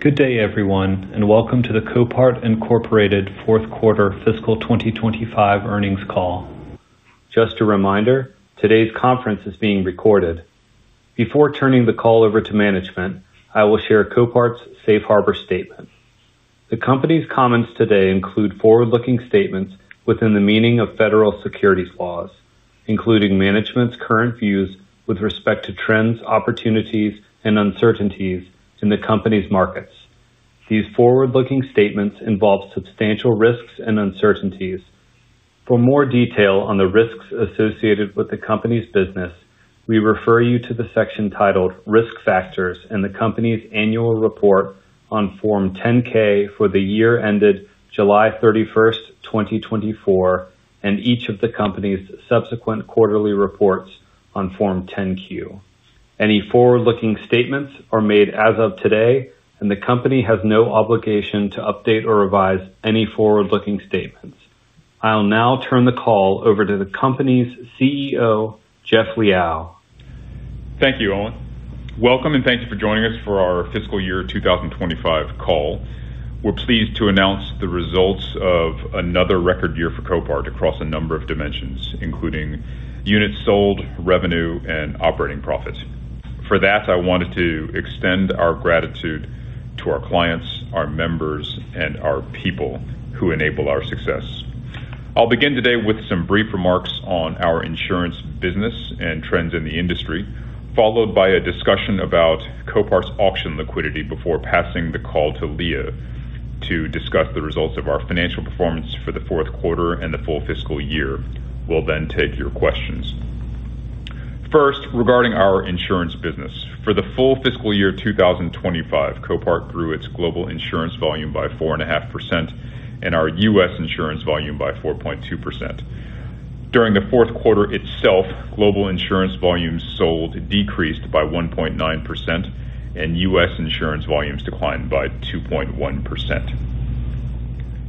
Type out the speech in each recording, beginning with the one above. Good day, everyone, and welcome to the Copart, Inc. 4th Quarter Fiscal 2025 Earnings Call. Just a reminder, today's conference is being recorded. Before turning the call over to management, I will share Copart's Safe Harbor statement. The company's comments today include forward-looking statements within the meaning of federal securities laws, including management's current views with respect to trends, opportunities, and uncertainties in the company's markets. These forward-looking statements involve substantial risks and uncertainties. For more detail on the risks associated with the company's business, we refer you to the section titled "Risk Factors" in the company's annual report on Form 10-K for the year ended July 31, 2024, and each of the company's subsequent quarterly reports on Form 10-Q. Any forward-looking statements are made as of today, and the company has no obligation to update or revise any forward-looking statements. I'll now turn the call over to the company's CEO, Jeff Liaw. Thank you, Owen. Welcome and thank you for joining us for our fiscal year 2025 call. We're pleased to announce the results of another record year for Copart across a number of dimensions, including units sold, revenue, and operating profits. For that, I wanted to extend our gratitude to our clients, our members, and our people who enable our success. I'll begin today with some brief remarks on our insurance business and trends in the industry, followed by a discussion about Copart's auction liquidity before passing the call to Leah to discuss the results of our financial performance for the 4th quarter and the full fiscal year. We'll then take your questions. First, regarding our insurance business, for the full fiscal year 2025, Copart grew its global insurance volume by 4.5% and our U.S. insurance volume by 4.2%. During the 4th quarter itself, global insurance volumes sold decreased by 1.9% and U.S. insurance volumes declined by 2.1%.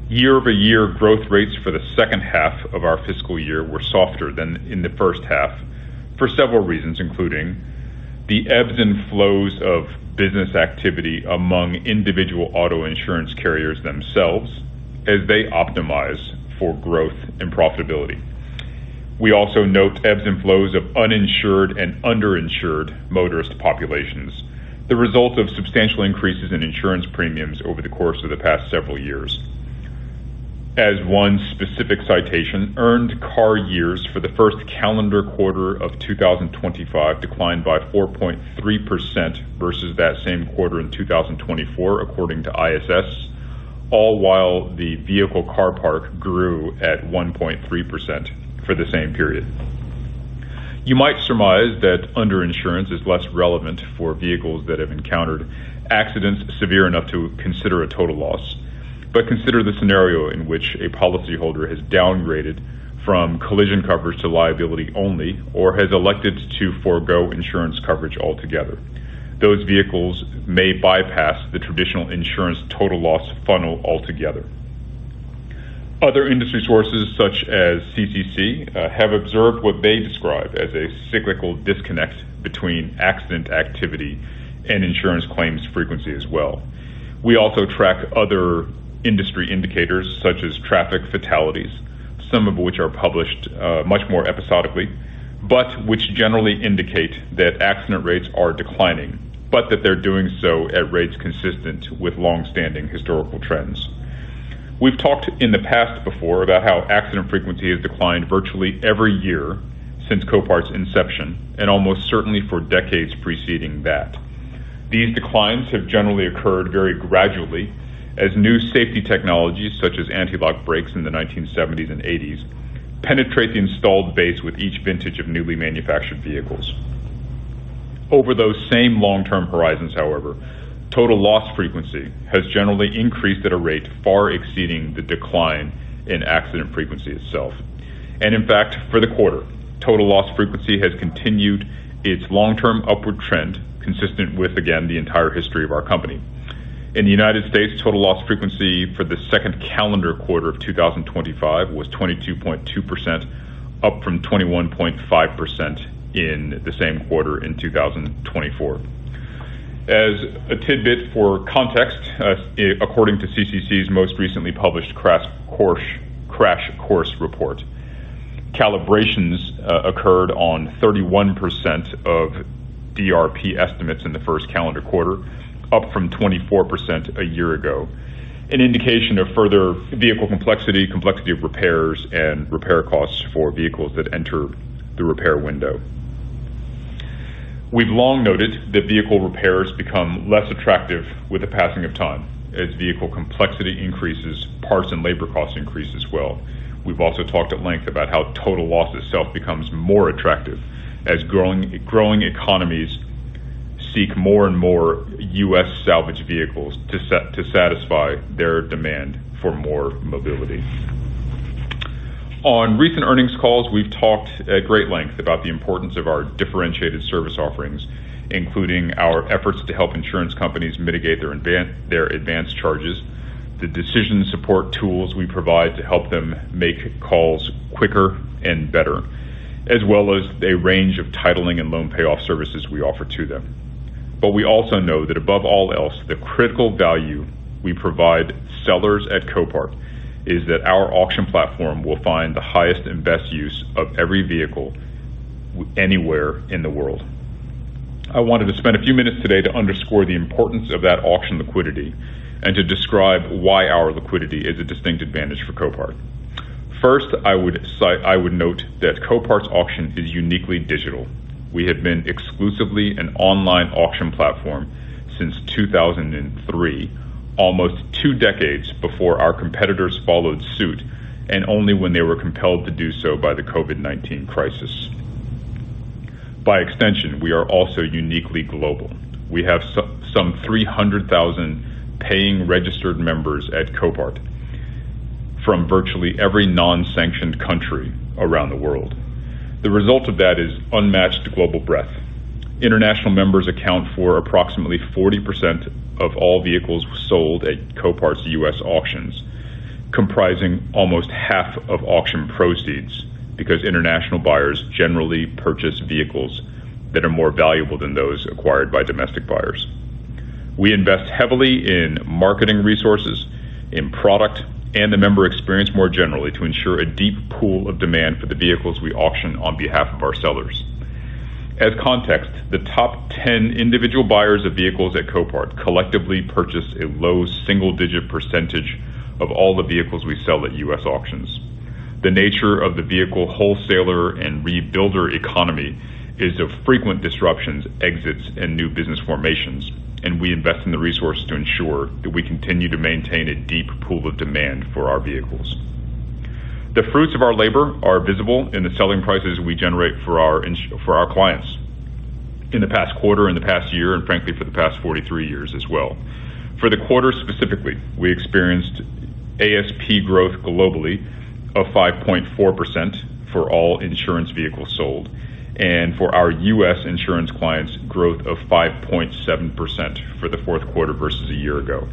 Year-over-year growth rates for the second half of our fiscal year were softer than in the first half for several reasons, including the ebbs and flows of business activity among individual auto insurance carriers themselves as they optimize for growth and profitability. We also note ebbs and flows of uninsured and underinsured motorist populations, the result of substantial increases in insurance premiums over the course of the past several years. As one specific citation, earned car years for the first calendar quarter of 2025 declined by 4.3% versus that same quarter in 2024, according to ISS, all while the vehicle car park grew at 1.3% for the same period. You might surmise that underinsurance is less relevant for vehicles that have encountered accidents severe enough to consider a total loss, but consider the scenario in which a policyholder has downgraded from collision coverage to liability only or has elected to forego insurance coverage altogether. Those vehicles may bypass the traditional insurance total loss funnel altogether. Other industry sources, such as CCC, have observed what they describe as a cyclical disconnect between accident activity and insurance claims frequency as well. We also track other industry indicators, such as traffic fatalities, some of which are published much more episodically, but which generally indicate that accident rates are declining, but that they're doing so at rates consistent with longstanding historical trends. We've talked in the past before about how accident frequency has declined virtually every year since Copart's inception and almost certainly for decades preceding that. These declines have generally occurred very gradually as new safety technologies, such as anti-lock brakes in the 1970s and 1980s, penetrate the installed base with each vintage of newly manufactured vehicles. Over those same long-term horizons, however, total loss frequency has generally increased at a rate far exceeding the decline in accident frequency itself. In fact, for the quarter, total loss frequency has continued its long-term upward trend, consistent with, again, the entire history of our company. In the United States, total loss frequency for the second calendar quarter of 2025 was 22.2%, up from 21.5% in the same quarter in 2024. As a tidbit for context, according to CCC's most recently published Crash Course report, calibrations occurred on 31% of DRP estimates in the first calendar quarter, up from 24% a year ago, an indication of further vehicle complexity, complexity of repairs, and repair costs for vehicles that enter the repair window. We've long noted that vehicle repairs become less attractive with the passing of time. As vehicle complexity increases, parts and labor costs increase as well. We've also talked at length about how total loss itself becomes more attractive as growing economies seek more and more U.S. salvage vehicles to satisfy their demand for more mobilities. On recent earnings calls, we've talked at great length about the importance of our differentiated service offerings, including our efforts to help insurance companies mitigate their advanced charges, the decision support tools we provide to help them make calls quicker and better, as well as a range of titling and loan payoff services we offer to them. We also know that above all else, the critical value we provide sellers at Copart is that our auction platform will find the highest and best use of every vehicle anywhere in the world. I wanted to spend a few minutes today to underscore the importance of that auction liquidity and to describe why our liquidity is a distinct advantage for Copart. First, I would note that Copart's auction is uniquely digital. We have been exclusively an online auction platform since 2003, almost two decades before our competitors followed suit, and only when they were compelled to do so by the COVID-19 crisis. By extension, we are also uniquely global. We have some 300,000 paying registered members at Copart from virtually every non-sanctioned country around the world. The result of that is unmatched global breadth. International members account for approximately 40% of all vehicles sold at Copart's U.S. auctions, comprising almost half of auction proceeds because international buyers generally purchase vehicles that are more valuable than those acquired by domestic buyers. We invest heavily in marketing resources, in product, and the member experience more generally to ensure a deep pool of demand for the vehicles we auction on behalf of our sellers. As context, the top 10 individual buyers of vehicles at Copart collectively purchase a low single-digit percentage of all the vehicles we sell at U.S. auctions. The nature of the vehicle wholesaler and rebuilder economy is of frequent disruptions, exits, and new business formations, and we invest in the resource to ensure that we continue to maintain a deep pool of demand for our vehicles. The fruits of our labor are visible in the selling prices we generate for our clients in the past quarter, in the past year, and frankly, for the past 43 years as well. For the quarter specifically, we experienced ASP growth globally of 5.4% for all insurance vehicles sold and for our U.S. insurance clients' growth of 5.7% for the 4th quarter versus a year ago.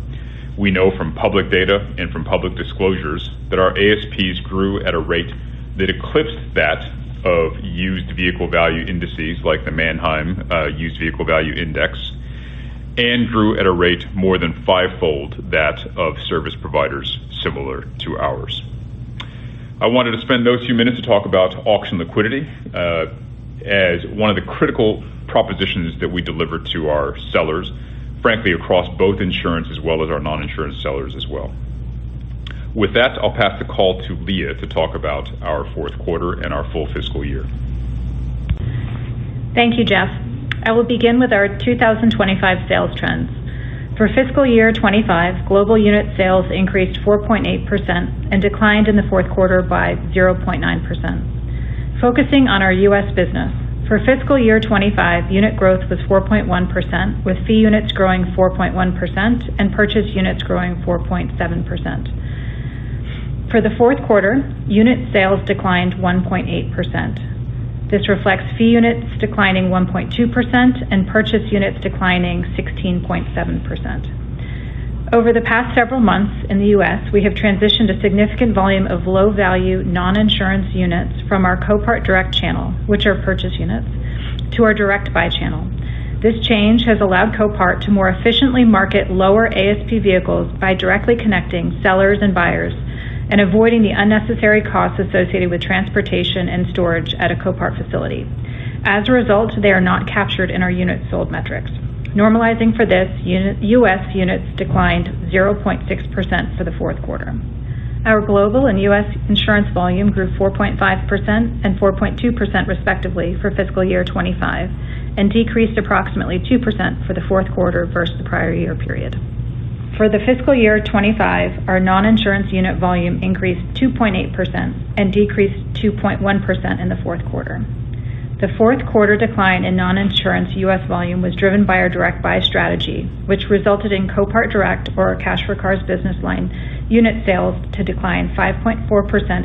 We know from public data and from public disclosures that our ASPs grew at a rate that eclipsed that of used vehicle value indices like the Manheim Used Vehicle Value Index and grew at a rate more than fivefold that of service providers similar to ours. I wanted to spend those few minutes to talk about auction liquidity as one of the critical propositions that we deliver to our sellers, frankly, across both insurance as well as our non-insurance sellers as well. With that, I'll pass the call to Leah to talk about our 4th quarter and our full fiscal year. Thank you, Jeff. I will begin with our 2025 sales trends. For fiscal year 2025, global unit sales increased 4.8% and declined in the 4th quarter by 0.9%. Focusing on our U.S. business, for fiscal year 2025, unit growth was 4.1%, with fee units growing 4.1% and purchase units growing 4.7%. For the 4th quarter, unit sales declined 1.8%. This reflects fee units declining 1.2% and purchase units declining 16.7%. Over the past several months in the U.S., we have transitioned a significant volume of low-value non-insurance units from our Copart Direct channel, which are purchase units, to our Direct Buy channel. This change has allowed Copart to more efficiently market lower ASP vehicles by directly connecting sellers and buyers and avoiding the unnecessary costs associated with transportation and storage at a Copart facility. As a result, they are not captured in our unit sold metrics. Normalizing for this, U.S. units declined 0.6% for the 4th quarter. Our global and U.S. insurance volume grew 4.5% and 4.2% respectively for fiscal year 2025 and decreased approximately 2% for the 4th quarter versus the prior year period. For the fiscal year 2025, our non-insurance unit volume increased 2.8% and decreased 2.1% in the 4th quarter. The 4th quarter decline in non-insurance U.S. volume was driven by our Direct Buy strategy, which resulted in Copart Direct, or our Cash for Cars business line, unit sales to decline 5.4%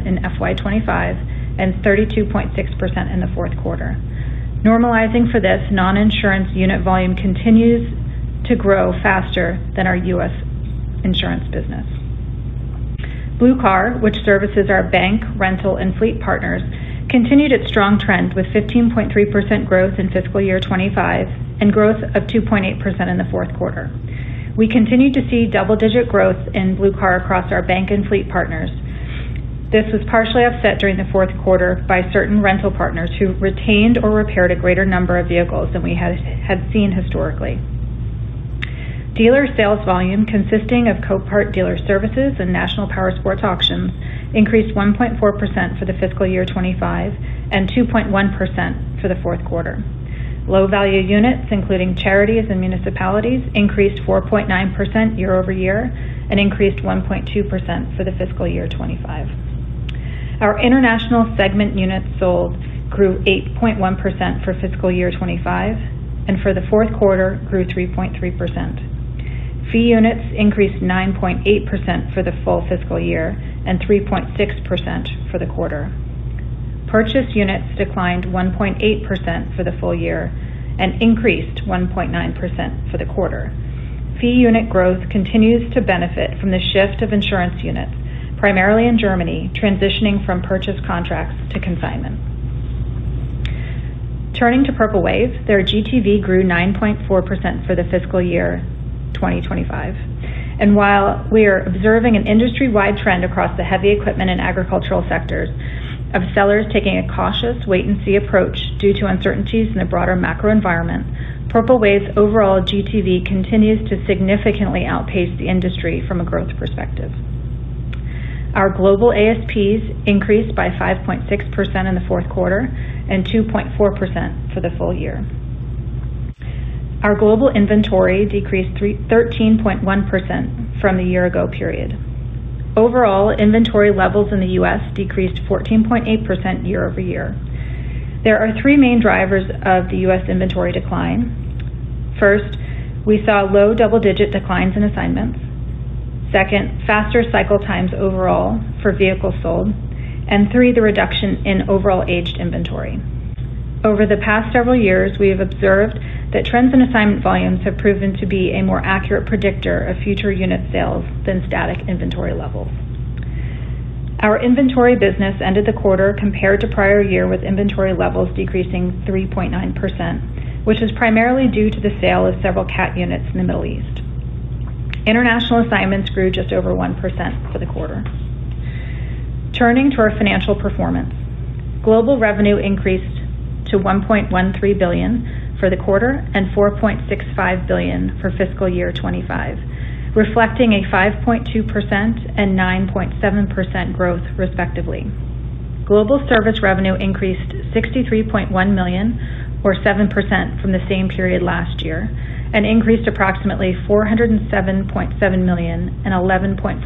in fiscal year 2025 and 32.6% in the 4th quarter. Normalizing for this, non-insurance unit volume continues to grow faster than our U.S. insurance business. Blue Car, which services our bank, rental, and fleet partners, continued its strong trend with 15.3% growth in fiscal year 2025 and growth of 2.8% in the 4th quarter. We continued to see double-digit growth in Blue Car across our bank and fleet partners. This was partially offset during the 4th quarter by certain rental partners who retained or repaired a greater number of vehicles than we had seen historically. Dealer sales volume, consisting of Copart Dealer Services and National Power Sports Auction, increased 1.4% for fiscal year 2025 and 2.1% for the 4th quarter. Low-value units, including charities and municipalities, increased 4.9% year- over- year and increased 1.2% for fiscal year 2025. Our international segment units sold grew 8.1% for fiscal year 2025 and for the 4th quarter grew 3.3%. Fee units increased 9.8% for the full fiscal year and 3.6% for the quarter. Purchase units declined 1.8% for the full year and increased 1.9% for the quarter. Fee unit growth continues to benefit from the shift of insurance units, primarily in Germany, transitioning from purchase contracts to consignment. Turning to Purple Wave, their GTV grew 9.4% for the fiscal year 2025. While we are observing an industry-wide trend across the heavy equipment and agricultural sectors of sellers taking a cautious wait-and-see approach due to uncertainties in a broader macro environment, Purple Wave's overall GTV continues to significantly outpace the industry from a growth perspective. Our global ASPs increased by 5.6% in the 4th quarter and 2.4% for the full year. Our global inventory decreased 13.1% from the year-ago period. Overall, inventory levels in the U.S. decreased 14.8% year- over- year. There are three main drivers of the U.S. inventory decline. First, we saw low double-digit declines in assignments. Second, faster cycle times overall for vehicles sold. Third, the reduction in overall aged inventory. Over the past several years, we have observed that trends in assignment volumes have proven to be a more accurate predictor of future unit sales than static inventory levels. Our inventory business ended the quarter compared to prior year with inventory levels decreasing 3.9%, which is primarily due to the sale of several CAT units in the Middle East. International assignments grew just over 1% for the quarter. Turning to our financial performance, global revenue increased to $1.13 billion for the quarter and $4.65 billion for fiscal year 2025, reflecting a 5.2% and 9.7% growth respectively. Global service revenue increased $63.1 million, or 7% from the same period last year, and increased approximately $407.7 million and 11.4%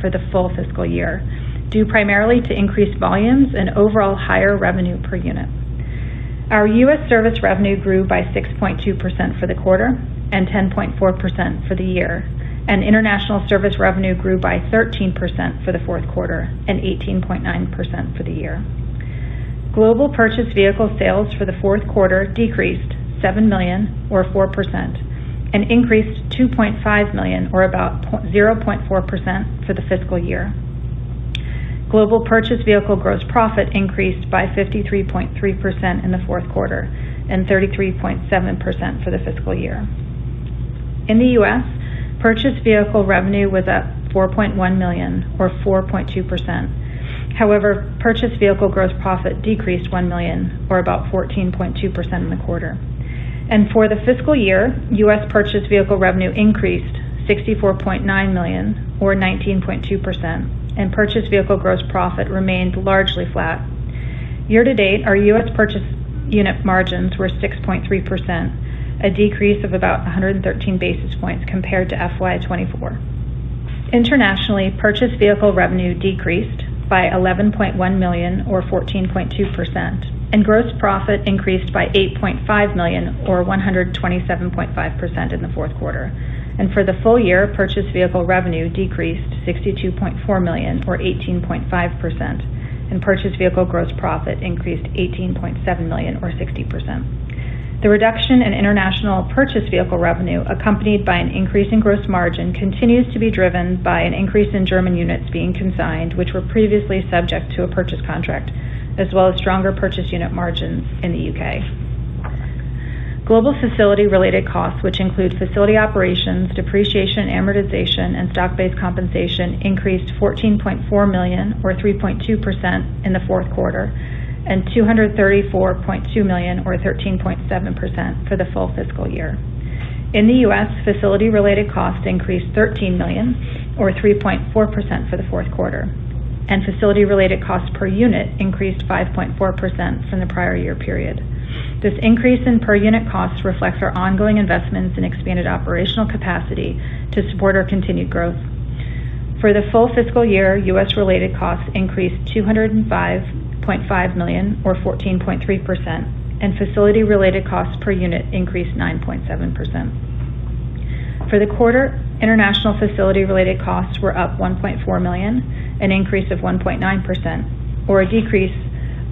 for the full fiscal year, due primarily to increased volumes and overall higher revenue per unit. Our U.S. service revenue grew by 6.2% for the quarter and 10.4% for the year, and international service revenue grew by 13% for the 4th quarter and 18.9% for the year. Global purchase vehicle sales for the 4th quarter decreased $7 million, or 4%, and increased $2.5 million, or about 0.4% for the fiscal year. Global purchase vehicle gross profit increased by 53.3% in the 4th quarter and 33.7% for the fiscal year. In the U.S., purchase vehicle revenue was up $4.1 million, or 4.2%. However, purchase vehicle gross profit decreased $1 million, or about 14.2% in the quarter. For the fiscal year, U.S. Purchase vehicle revenue increased $64.9 million, or 19.2%, and purchase vehicle gross profit remained largely flat. Year to date, our U.S. purchase unit margins were 6.3%, a decrease of about 113 basis points compared to FY 2024. Internationally, purchase vehicle revenue decreased by $11.1 million, or 14.2%, and gross profit increased by $8.5 million, or 127.5% in the fourth quarter. For the full year, purchase vehicle revenue decreased $62.4 million, or 18.5%, and purchase vehicle gross profit increased $18.7 million, or 60%. The reduction in international purchase vehicle revenue, accompanied by an increase in gross margin, continues to be driven by an increase in German units being consigned, which were previously subject to a purchase contract, as well as stronger purchase unit margins in the U.K.. Global facility-related costs, which include facility operations, depreciation, amortization, and stock-based compensation, increased $14.4 million, or 3.2% in the fourth quarter, and $234.2 million, or 13.7% for the full fiscal year. In the U.S., facility-related costs increased $13 million, or 3.4% for the fourth quarter, and facility-related costs per unit increased 5.4% from the prior year period. This increase in per unit costs reflects our ongoing investments in expanded operational capacity to support our continued growth. For the full fiscal year, U.S.-related costs increased $205.5 million, or 14.3%, and facility-related costs per unit increased 9.7%. For the quarter, international facility-related costs were up $1.4 million, an increase of 1.9%, or a decrease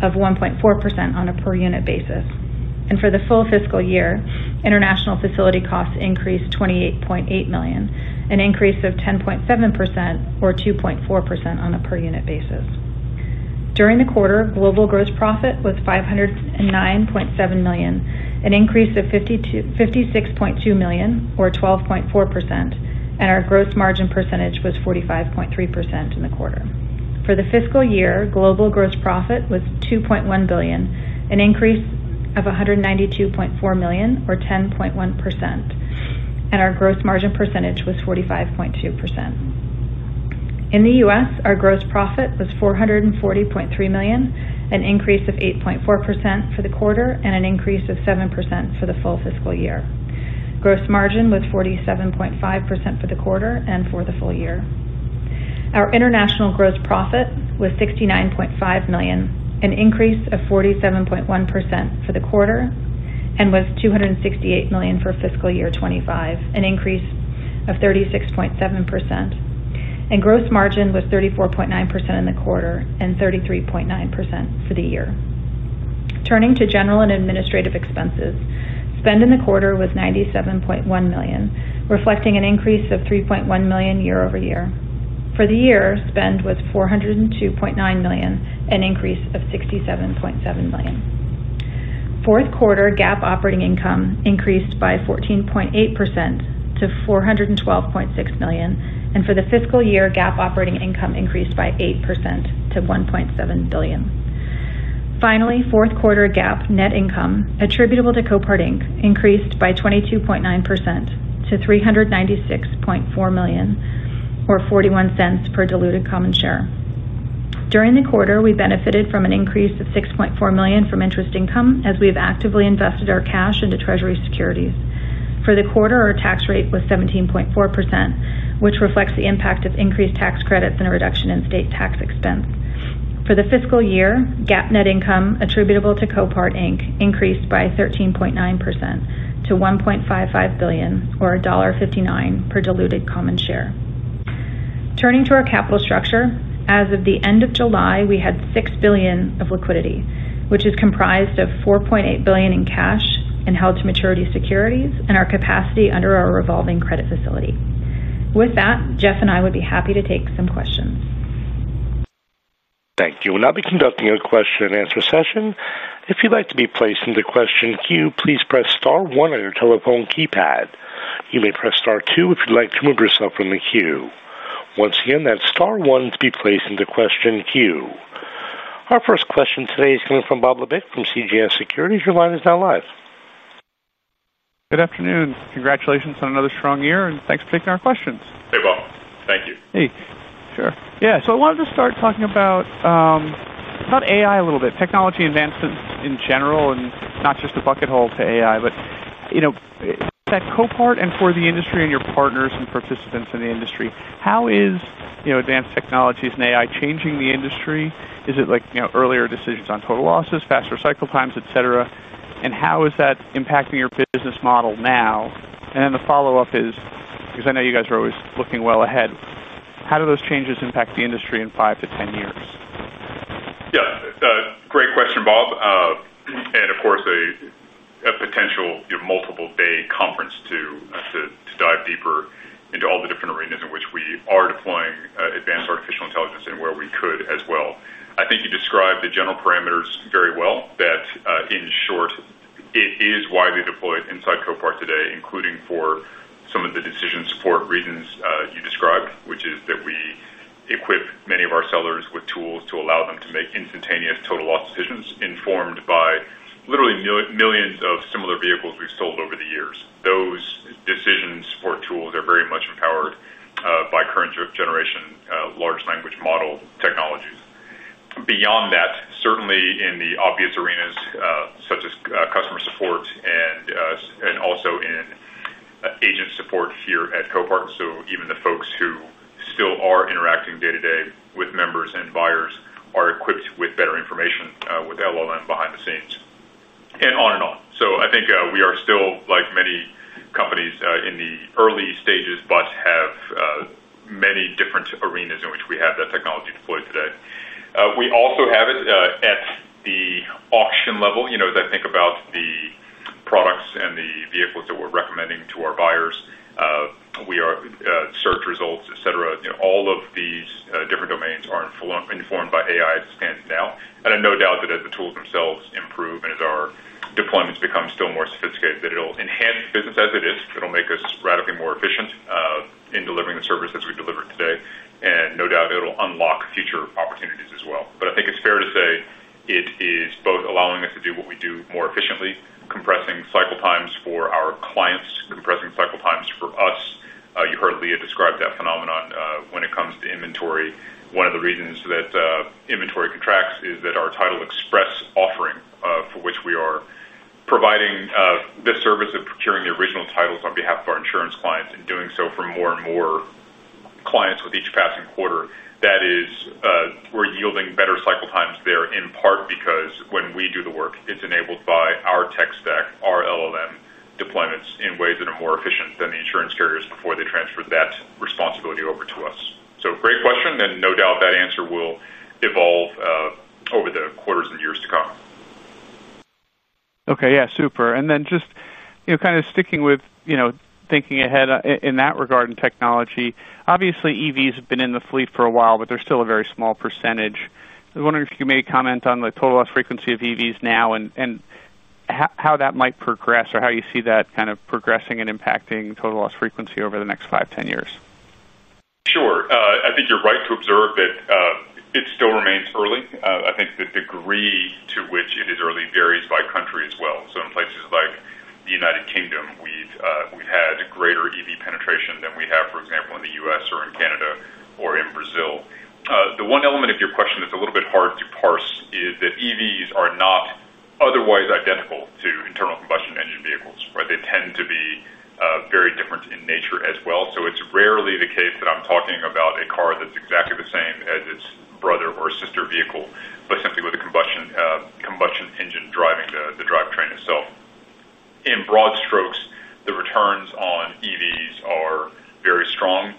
of 1.4% on a per unit basis. For the full fiscal year, international facility costs increased $28.8 million, an increase of 10.7%, or 2.4% on a per unit basis. During the quarter, global gross profit was $509.7 million, an increase of $56.2 million, or 12.4%, and our gross margin percentage was 45.3% in the quarter. For the fiscal year, global gross profit was $2.1 billion, an increase of $192.4 million, or 10.1%, and our gross margin percentage was 45.2%. In the U.S., our gross profit was $440.3 million, an increase of 8.4% for the quarter, and an increase of 7% for the full fiscal year. Gross margin was 47.5% for the quarter and for the full year. Our international gross profit was $69.5 million, an increase of 47.1% for the quarter, and was $268 million for fiscal year 2025, an increase of 36.7%, and gross margin was 34.9% in the quarter and 33.9% for the year. Turning to general and administrative expenses, spend in the quarter was $97.1 million, reflecting an increase of $3.1 million year- over- year. For the year, spend was $402.9 million, an increase of $67.7 million. Fourth quarter GAAP operating income increased by 14.8% to $412.6 million, and for the fiscal year, GAAP operating income increased by 8% to $1.7 billion. Finally, fourth quarter GAAP net income attributable to Copart, Inc. increased by 22.9% to $396.4 million, or $0.41 per diluted common share. During the quarter, we benefited from an increase of $6.4 million from interest income as we have actively invested our cash into Treasury securities. For the quarter, our tax rate was 17.4%, which reflects the impact of increased tax credits and a reduction in state tax expense. For the fiscal year, GAAP net income attributable to Copart, Inc. increased by 13.9% to $1.55 billion, or $1.59 per diluted common share. Turning to our capital structure, as of the end of July, we had $6 billion of liquidity, which is comprised of $4.8 billion in cash and held to maturity securities and our capacity under our revolving credit facility. With that, Jeff and I would be happy to take some questions. Thank you. We'll now be conducting a question-and-answer session. If you'd like to be placed into question queue, please press star one on your telephone keypad. You may press star two if you'd like to remove yourself from the queue. Once again, that's star one to be placed into question queue. Our first question today is coming from Bob Labick from CJS Securities. Your line is now live. Good afternoon. Congratulations on another strong year, and thanks for taking our questions. Hey, Bob. Thank you. Sure. Yeah. I wanted to start talking about AI a little bit, technology advancements in general, and not just a bucket hole to AI, but you know that Copart and for the industry and your partners and participants in the industry, how is advanced technologies and AI changing the industry? Is it like earlier decisions on total losses, faster cycle times, et cetera? How is that impacting your business model now? The follow-up is, because I know you guys are always looking well ahead, how do those changes impact the industry in five to 10 years? Yeah, it's a great question, Bob. Of course, a potential multiple-day conference to dive deeper into all the different arenas in which we are deploying advanced artificial intelligence and where we could as well. I think you described the general parameters very well that, in short, it is widely deployed inside Copart today, including for some of the decision support reasons you described, which is that we equip many of our sellers with tools to allow them to make instantaneous total loss decisions informed by literally millions of similar vehicles we've sold over the years. Those decision support tools are very much empowered by current generation large language model technologies. Beyond that, certainly in the obvious arenas, such as customer support and also in agent support here at Copart. Even the folks who still are interacting day-to-day with members and buyers are equipped with better information with LLM behind the scenes and on and on. I think we are still, like many companies, in the early stages, but have many different arenas in which we have that technology deployed today. We also have it at the auction level. As I think about the products and the vehicles that we're recommending to our buyers, we are search results, et cetera. All of these different domains are informed by AI as it stands now. I have no doubt that as the tools themselves improve and as our deployments become still more sophisticated, that it'll enhance business as it is. It'll make us radically more efficient in delivering the service as we deliver it today. No doubt it'll unlock future opportunities as well. I think it's fair to say it is both allowing us to do what we do more efficiently, compressing cycle times for our clients, compressing cycle times for us. You heard Leah describe that phenomenon when it comes to inventory. One of the reasons that inventory contracts is that our Title Express offering for which we are providing this service of procuring the original titles on behalf of our insurance clients and doing so for more and more clients with each passing quarter. That is, we're yielding better cycle times there in part because when we do the work, it's enabled by our tech stack, our LLM deployments in ways that are more efficient than the insurance carriers before they transfer that responsibility over to us. Great question. No doubt that answer will evolve over the quarters and years to come. Okay. Yeah. Super. Just kind of sticking with thinking ahead in that regard in technology, obviously EVs have been in the fleet for a while, but they're still a very small percentage. I was wondering if you may comment on the total loss frequency of EVs now and how that might progress or how you see that kind of progressing and impacting total loss frequency over the next five, ten years. Sure. I think you're right to observe that it still remains early. I think the degree to which it is early varies by country as well. In places like the United Kingdom, we've had greater EV penetration than we have, for example, in the U.S. or in Canada or in Brazil. The one element of your question that's a little bit hard to parse is that EVs are not otherwise identical to internal combustion engine vehicles. They tend to be very different in nature as well. It's rarely the case that I'm talking about a car that's exactly the same as its brother or sister vehicle, but simply with a combustion engine driving the drivetrain itself. In broad strokes, the returns on EVs are very strong.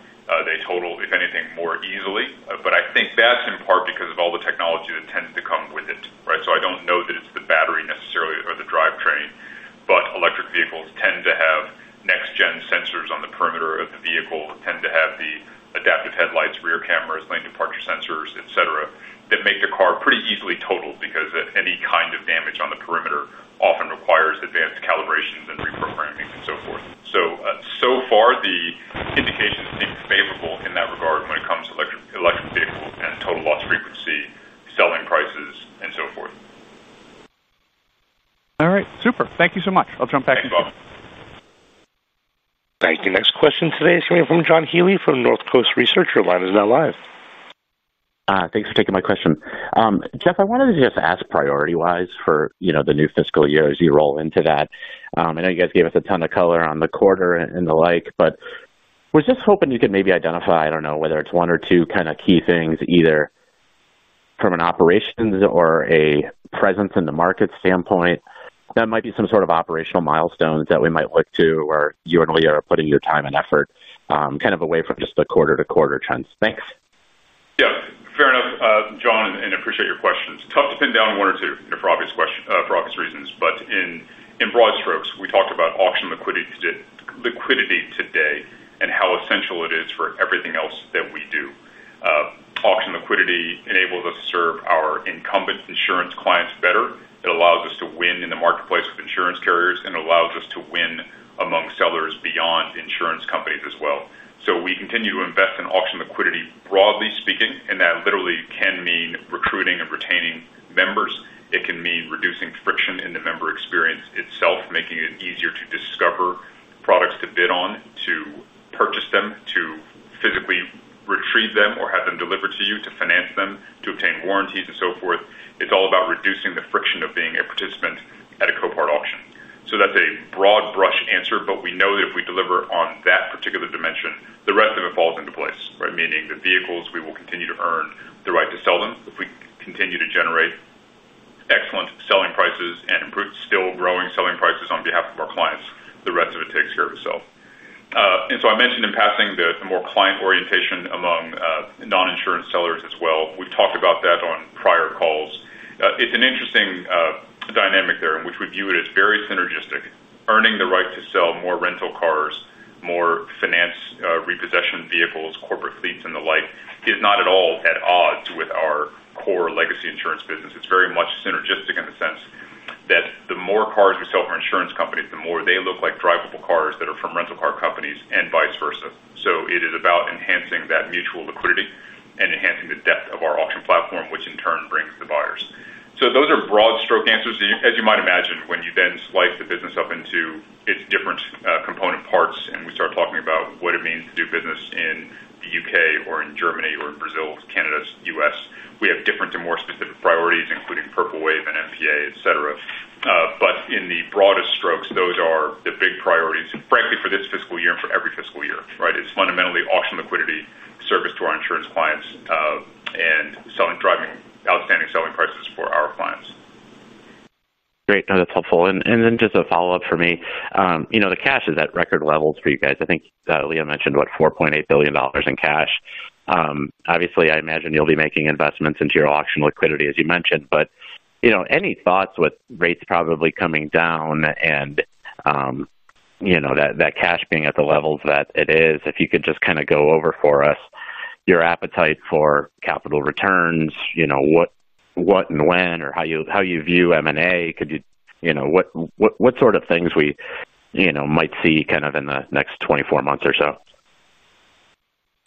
They total, if anything, more easily. I think that's in part because of all the technology that tends to come with it. I don't know that it's the battery necessarily or the drivetrain, but electric vehicles tend to have next-gen sensors on the perimeter of the vehicle, tend to have the adaptive headlights, rear cameras, lane departure sensors, et cetera, that make the car pretty easily totaled because any kind of damage on the perimeter often requires advanced calibrations and reprogramming and so forth. So far, the indication has been favorable in that regard when it comes to electric vehicles and total loss frequency, selling prices, and so forth. All right. Super. Thank you so much. I'll jump back in. All right. Your next question today is coming from John Healy from North Coast Research. Your line is now live. Thanks for taking my question. Jeff, I wanted to just ask priority-wise for the new fiscal year as you roll into that. I know you guys gave us a ton of color on the quarter and the like, but was just hoping you could maybe identify, I don't know whether it's one or two kind of key things either from an operations or a presence in the market standpoint that might be some sort of operational milestones that we might look to where you and Leah are putting your time and effort kind of away from just the quarter-to-quarter trends. Thanks. Yeah. Fair enough, John, and I appreciate your questions. Tough to pin down one or two for obvious reasons, but in broad strokes, we talked about auction liquidity today and how essential it is for everything else that we do. Auction liquidity enables us to serve our incumbent insurance clients better. It allows us to win in the marketplace with insurance carriers, and it allows us to win among sellers beyond insurance companies as well. We continue to invest in auction liquidity, broadly speaking, and that literally can mean recruiting and retaining members. It can mean reducing friction in the member experience itself, making it easier to discover products to bid on, to purchase them, to physically retrieve them or have them delivered to you, to finance them, to obtain warranties, and so forth. It's all about reducing the friction of being a participant at a Copart auction. That's a broad brush answer, but we know that if we deliver on that particular dimension, the rest of it falls into place, meaning the vehicles we will continue to earn the right to sell them. If we continue to generate excellent selling prices and still growing selling prices on behalf of our clients, the rest of it takes care of itself. I mentioned in passing the more client orientation among non-insurance sellers as well. We've talked about that on prior calls. It's an interesting dynamic there in which we view it as very synergistic. Earning the right to sell more rental cars, more finance repossession vehicles, corporate fleets, and the like is not at all at odds with our core legacy insurance business. It's very much synergistic in the sense that the more cars we sell for insurance companies, the more they look like drivable cars that are from rental car companies and vice versa. It is about enhancing that mutual liquidity and enhancing the depth of our auction platform, which in turn brings the buyers. Those are broad stroke answers. As you might imagine, when you then slice the business up into its different component parts and we start talking about what it means to do business in the U.K. or in Germany or in Brazil, Canada, the U.S., we have different and more specific priorities, including Purple Wave and MPA, et cetera. In the broadest strokes, those are the big priorities. Frankly, for this fiscal year and for every fiscal year, it's fundamentally auction liquidity, service to our insurance clients, and driving outstanding selling prices for our clients. Great. No, that's helpful. Just a follow-up for me. The cash is at record levels for you guys. I think Leah mentioned about $4.8 billion in cash. Obviously, I imagine you'll be making investments into your auction liquidity, as you mentioned. Any thoughts with rates probably coming down and that cash being at the levels that it is, if you could just kind of go over for us your appetite for capital returns, what and when or how you view M&A, what sort of things we might see in the next 24 months or so?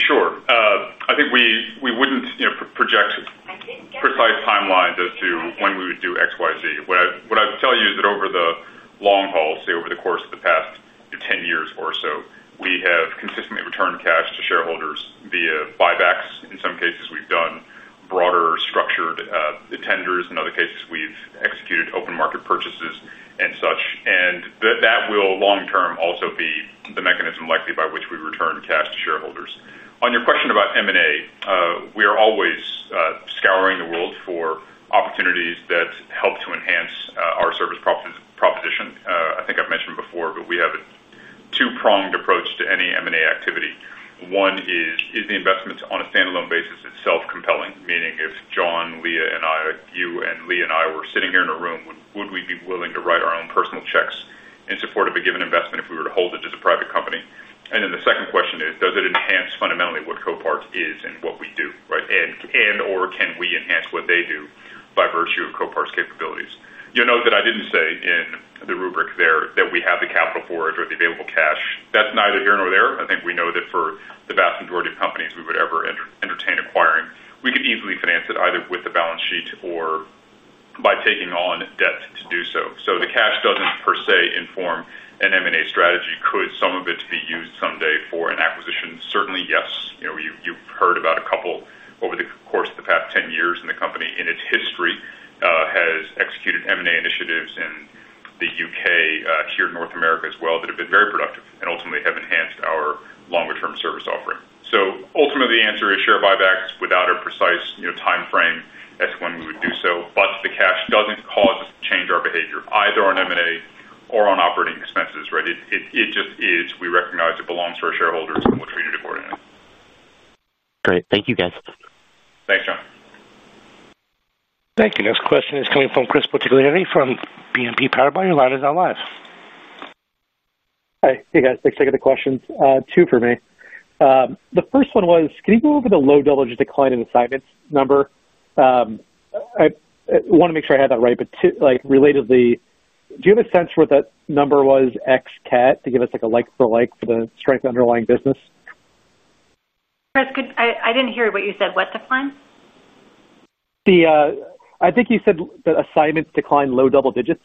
Sure. I think we wouldn't project a precise timeline as to when we would do X, Y, Z. What I'd tell you is that over the long haul, say over the course of the past 10 years or so, we have consistently returned cash to shareholders via buybacks. In some cases, we've done broader structured tenders. In other cases, we've executed open market purchases and such. That will long-term also be the mechanism likely by which we return cash to shareholders. On your question about M&A, we are always scouring the world for opportunities that help to enhance our service proposition. I think I've mentioned before, but we have a two-pronged approach to any M&A activity. One is, is the investment on a standalone basis itself compelling? Meaning if John, Leah, and I, you and Leah and I were sitting here in a room, would we be willing to write our own personal checks in support of a given investment if we were to hold it as a private company? The second question is, does it enhance fundamentally what Copart is and what we do? And/or can we enhance what they do by virtue of Copart's capabilities? You'll note that I didn't say in the rubric there that we have the capital for it or the available cash. That's neither here nor there. I think we know that for the vast majority of companies we would ever entertain acquiring, we could easily finance it either with the balance sheet or by taking on debt to do so. The cash doesn't per se inform an M&A strategy. Could some of it be used someday for an acquisition? Certainly yes. You've heard about a couple over the course of the past 10 years and the company in its history has executed M&A initiatives in the U.K., here in North America as well, that have been very productive and ultimately have enhanced our longer-term service offering. Ultimately, the answer is share buybacks without a precise time frame as to when we would do so. The cash doesn't cause us to change our behavior either on M&A or on operating expenses. It just is. We recognize it belongs to our shareholders and we'll treat it accordingly. Great. Thank you, guys. Thanks, John. Thank you. Next question is coming from Chris Bottiglieri from BNP Paribas. Your line is now live. Hey guys. Thanks for checking the questions. Two for me. The first one was, can you go over the low-diligence decline in assignments number? I want to make sure I had that right, but relatedly, do you have a sense where that number was ex-CAT to give us like a like-for-like for the strength underlying business? Chris, I didn't hear what you said. What decline? I think you said that assignment declined low double- digits.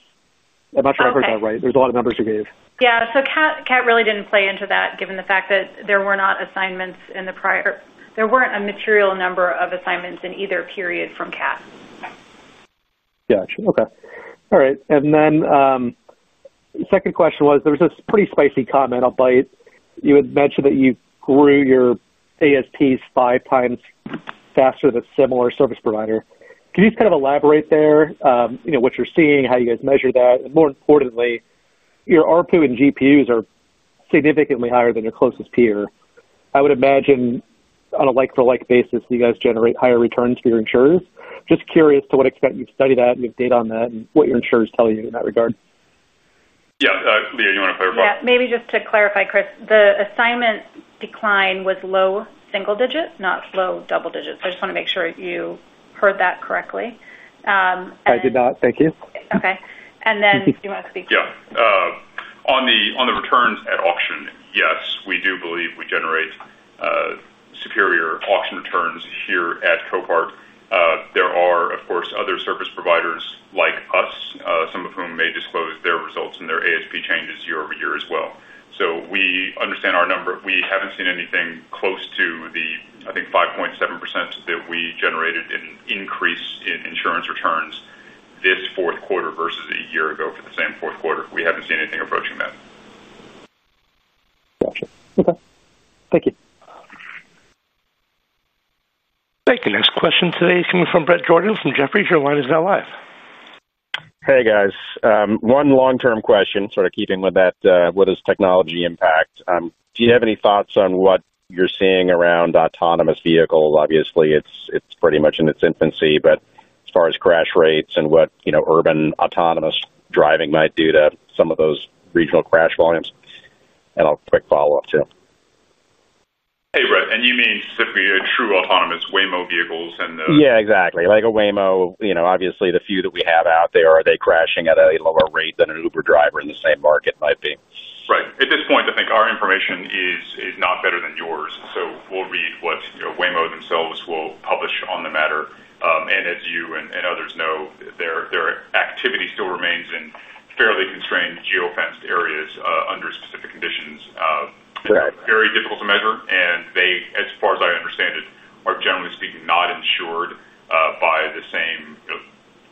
I'm not sure I heard that right. There's a lot of numbers you gave. CAT really didn't play into that, given the fact that there were not assignments in the prior period. There weren't a material number of assignments in either period from CAT. Gotcha. Okay. All right. The second question was, there was this pretty spicy comment. I'll bite it. You had mentioned that you grew your ASPs five times faster than a similar service provider. Can you just kind of elaborate there? You know what you're seeing, how you guys measure that, and more importantly, your RPU and GPUs are significantly higher than your closest peer. I would imagine on a like-for-like basis, you guys generate higher returns for your insurer. Just curious to what extent you've studied that and you have data on that and what your insurers tell you in that regard. Yeah, Leah, you want to clarify? Maybe just to clarify, Chris, the assignment decline was low single- digit, not low double- digit. I just want to make sure you heard that correctly. I did not. Thank you. Okay, do you want to speak? Yeah. On the returns at auction, yes, we do believe we generate superior auction returns here at Copart. There are, of course, other service providers like us, some of whom may disclose their results and their ASP changes year over year as well. We understand our number. We haven't seen anything close to the, I think, 5.7% that we generated an increase in insurance returns this fourth quarter versus a year ago for the same fourth quarter. We haven't seen anything approaching that. Okay. Thank you. Thank you. Next question today is coming from Bret Jordan from Jefferies. Your line is now live. Hey guys. One long-term question, sort of keeping with that, what does technology impact? Do you have any thoughts on what you're seeing around autonomous vehicles? Obviously, it's pretty much in its infancy, but as far as crash rates and what urban autonomous driving might do to some of those regional crash volumes? I have a quick follow up too. Hey Bret. You mean simply a true autonomous Waymo vehicles and the... Yeah, exactly. Like a Waymo, you know, obviously the few that we have out there, are they crashing at a lower rate than an Uber driver in the same market might be? Right. At this point, I think our information is not better than yours. We'll read what Waymo themselves will publish on the matter. As you and others know, their activity still remains in fairly constrained geo-fenced areas under specific conditions. Very difficult to measure. As far as I understand it, they are generally speaking not insured by the same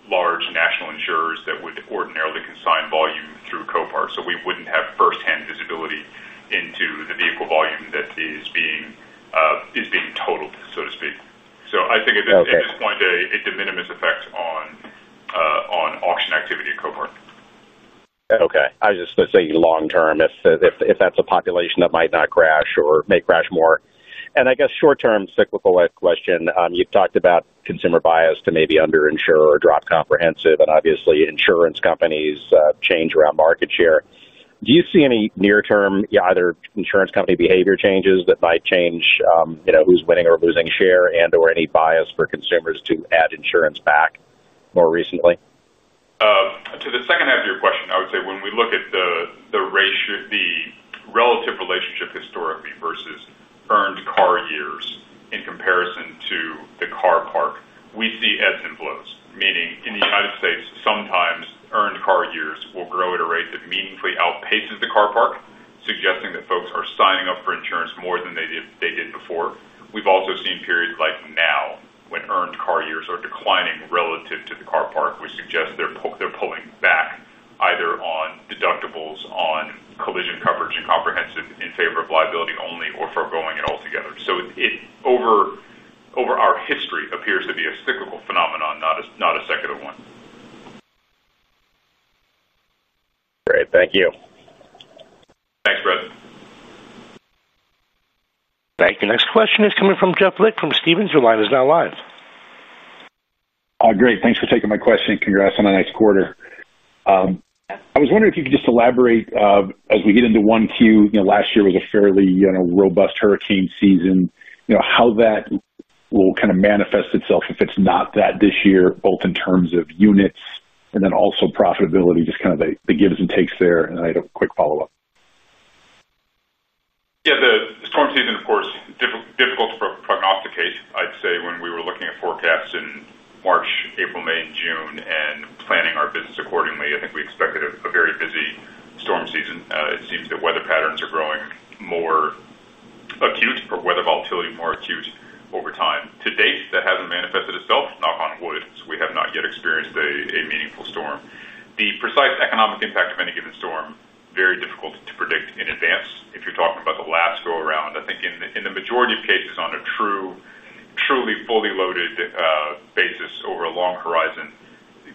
large national insurers that would ordinarily consign volume through Copart. We wouldn't have firsthand visibility into the vehicle volume that is being totaled, so to speak. I think at this point, a de minimis effect on auction activity at Copart. Okay. I was just going to say long-term, if that's a population that might not crash or may crash more. I guess short-term cyclical question, you've talked about consumer bias to maybe underinsure or drop comprehensive. Obviously, insurance companies change around market share. Do you see any near-term, either insurance company behavior changes that might change who's winning or losing share and/or any bias for consumers to add insurance back more recently? To the second answer to your question, I would say when we look at the relative relationship historically versus earned car years in comparison to the car park, we see ebbs and flows. Meaning in the United States, sometimes earned car years will grow at a rate that meaningfully outpaces the car park, suggesting that folks are signing up for insurance more than they did before. We've also seen periods like now when earned car years are declining relative to the car park, which suggests they're pulling back either on deductibles, on collision coverage and comprehensive in favor of liability only, or foregoing it altogether. It over our history appears to be a cyclical phenomenon, not a secular one. Great. Thank you. Thanks, Bret. Thank you. Next question is coming from Jeff Lick from Stephens. Your line is now live. Great. Thanks for taking my question. Congrats on the next quarter. I was wondering if you could just elaborate as we get into 1Q. Last year was a fairly robust hurricane season. You know how that will kind of manifest itself if it's not that this year, both in terms of units and then also profitability, just kind of the gives and takes there. I have a quick follow-up. Yeah, the storm season, of course, is difficult to prognosticate. I'd say when we were looking at forecasts in March, April, May, June, and planning our business accordingly, I think we expected a very busy storm season. It seems that weather patterns are growing more acute, weather volatility more acute over time. To date, that hasn't manifested itself, knock on wood, we have not yet experienced a meaningful storm. The precise economic impact of any given storm is very difficult to predict in advance. If you're talking about the last go-around, I think in the majority of cases on a truly fully loaded basis over a long horizon,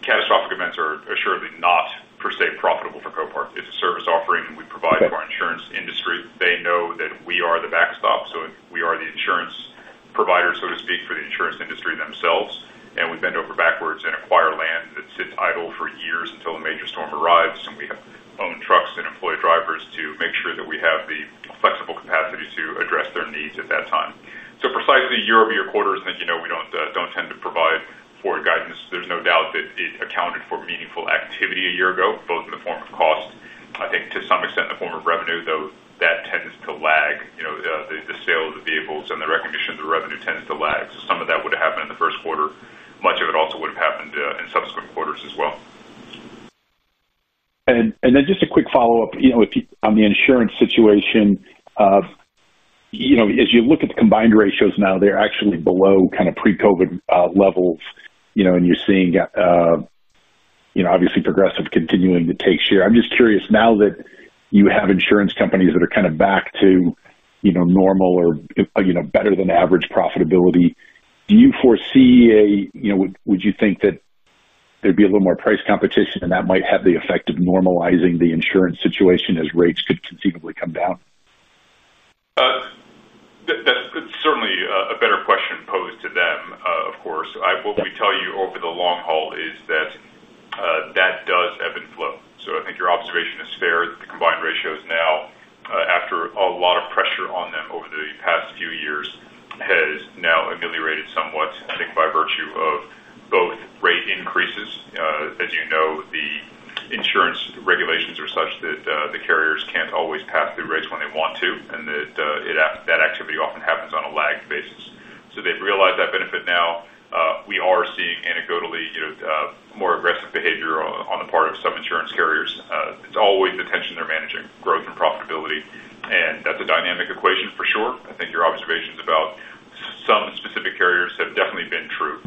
catastrophic events are assuredly not per se profitable for Copart. It's a service offering we provide to our insurance industry. They know that we are the backstop. We are the insurance provider, so to speak, for the insurance industry themselves. We bend over backwards and acquire land that sits idle for years until a major storm arrives. We have owned trucks and employed drivers to make sure that we have the flexible capacity to address their needs at that time. Precisely year-over-year quarters that you know we don't tend to provide for guidance. There's no doubt that it accounted for meaningful activity a year ago, both in the form of cost. I think to some extent in the form of revenue, though that tends to lag. The sale of the vehicles and the recognition of the revenue tends to lag. Some of that would have happened in the first quarter. Much of it also would have happened in subsequent quarters as well. Just a quick follow-up on the insurance situation. As you look at the combined ratios now, they're actually below kind of pre-COVID levels. You're seeing obviously Progressive continuing to take share. I'm just curious now that you have insurance companies that are kind of back to normal or better than average profitability, do you foresee a... Would you think that there'd be a little more price competition and that might have the effect of normalizing the insurance situation as rates could conceivably come down? That's certainly a better question posed to them, of course. What we tell you over the long haul is that does ebb and flow. I think your observation is fair that the combined ratios now, after a lot of pressure on them over the past few years, have now ameliorated somewhat, I think, by virtue of both rate increases. As you know, the insurance regulations are such that the carriers can't always pass through rates when they want to, and that activity often happens on a lagged basis. They've realized that benefit now. We are seeing anecdotally more aggressive behavior on the part of some insurance carriers. It's always the tension they're managing, growth and profitability. That's a dynamic equation for sure. I think your observations about some specific carriers have definitely been true.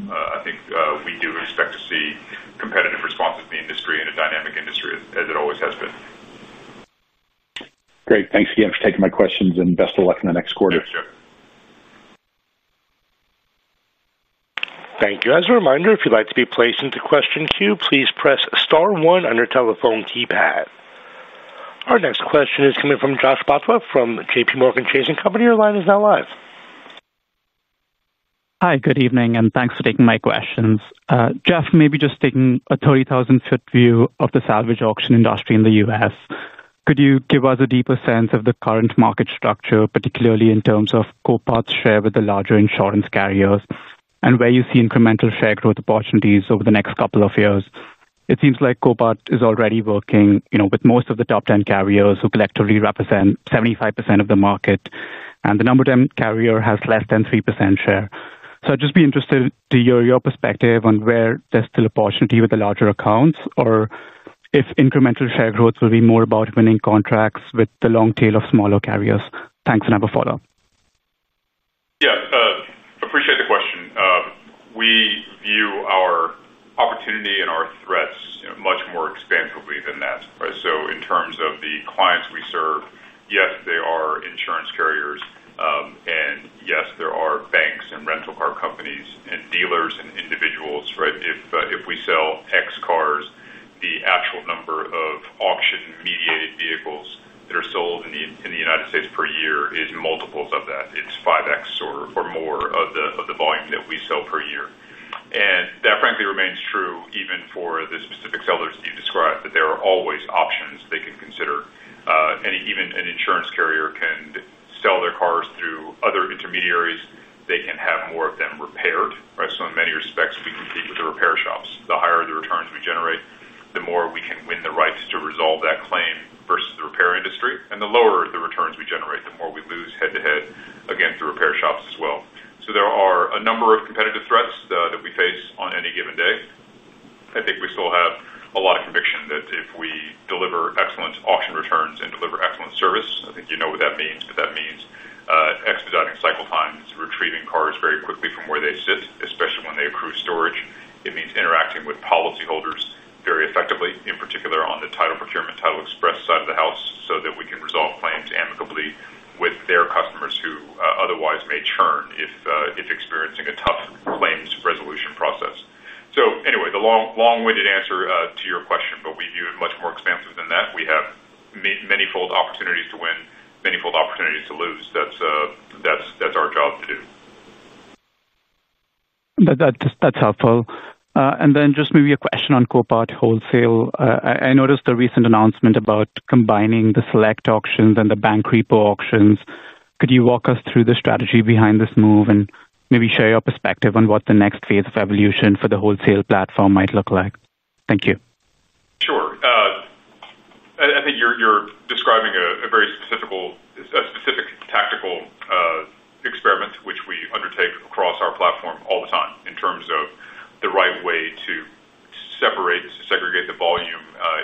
We do expect to see competitive responses in the industry in a dynamic industry as it always has been. Great. Thanks again for taking my questions, and best of luck in the next quarter. Thank you. As a reminder, if you'd like to be placed into question Q, please press star one on your telephone keypad. Our next question is coming from Jash Patwa from JPMorgan Chase & Co. Your line is now live. Hi, good evening, and thanks for taking my questions. Jeff, maybe just taking a 30,000-foot view of the salvage auction industry in the U.S., could you give us a deeper sense of the current market structure, particularly in terms of Copart's share with the larger insurance carriers and where you see incremental share growth opportunities over the next couple of years? It seems like Copart is already working with most of the top 10 carriers who collectively represent 75% of the market, and the number 10 carrier has less than 3% share. I'd just be interested to hear your perspective on where there's still opportunity with the larger accounts or if incremental share growth will be more about winning contracts with the long tail of smaller carriers. Thanks for another follow-up. Yeah, I appreciate the question. We view our opportunity and our threats much more expansively than that. In terms of the clients we serve, yes, there are insurance carriers, to your question, but we view it much more expansive than that. We have many-fold opportunities to win, many-fold opportunities to lose. That's our job to do. That's helpful. Maybe a question on Copart wholesale. I noticed a recent announcement about combining the select auction and the bank repo auctions. Could you walk us through the strategy behind this move and maybe share your perspective on what the next phase of evolution for the wholesale platform might look like? Thank you. Sure. I think you're describing a very specific tactical experiment which we undertake across our platform all the time in terms of the right way to separate, to segregate the volume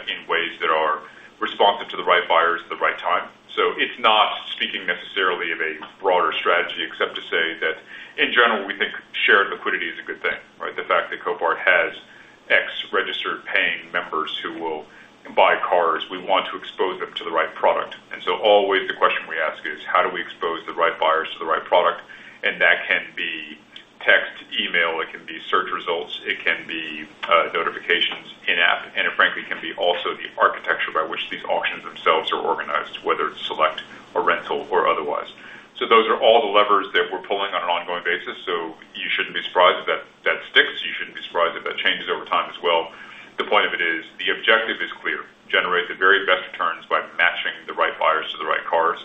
in ways that are responsive to the right buyers at the right time. It's not speaking necessarily of a broader strategy, except to say that in general, we think shared liquidity is a good thing. The fact that Copart has x registered paying members who will buy cars, we want to expose them to the right product. The question we always ask is, how do we expose the right buyers to the right product? That can be text, email, it can be search results, it can be notifications, in-app, and it frankly can be also the architecture by which these auctions themselves are organized, whether it's select or rental or otherwise. Those are all the levers that we're pulling on an ongoing basis. You shouldn't be surprised if that sticks. You shouldn't be surprised if that changes over time as well. The point of it is the objective is clear. Generate the very best returns by matching the right buyers to the right cars.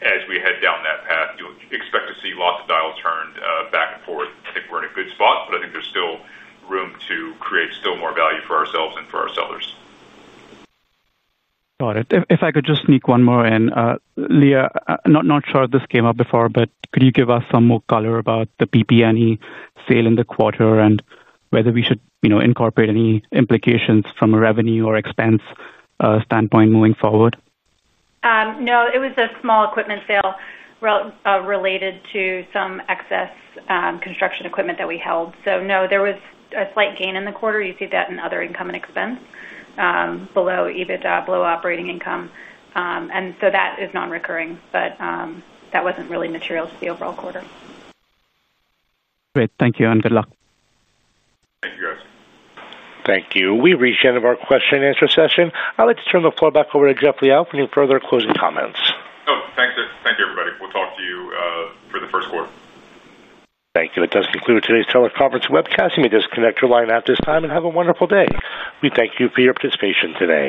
As we head down that path, you'll expect to see lots of dials turned back and forth. I think we're in a good spot, but I think there's still room to create still more value for ourselves and for our sellers. Got it. If I could just sneak one more in. Leah, not sure if this came up before, but could you give us some more color about the BP&E sale in the quarter and whether we should incorporate any implications from a revenue or expense standpoint moving forward? No, it was a small equipment sale related to some excess construction equipment that we held. There was a slight gain in the quarter. You see that in other income and expense below EBITDA, below operating income. That is non-recurring, but that wasn't really material to the overall quarter. Great. Thank you and good luck. Thank you, guys. Thank you. We reached the end of our question and answer session. I'd like to turn the floor back over to Jeff Liaw for any further closing comments. Thank you. Thank you, everybody. We'll talk to you for the first quarter. Thank you. That does conclude today's teleconference webcast. You may disconnect your line at this time and have a wonderful day. We thank you for your participation today.